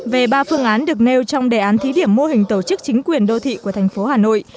về ba phương án được nêu trong đề án thí điểm mô hình tổ chức chính quyền đô thị của thành phố hà nội